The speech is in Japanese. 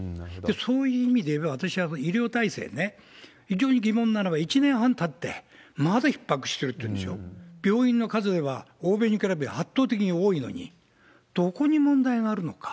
そういう意味で言えば、私はやっぱり医療体制ね、非常に疑問なのが１年半たって、まだひっ迫しているんでしょう。病院の数でいえば欧米に比べて圧倒的に多いのに、どこに問題があるのか。